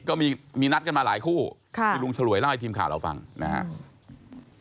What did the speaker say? ก็มีนัดกันมาหลายคู่ที่ลุงฉลวยเล่าให้ทีมข่าวเราฟังนะครับ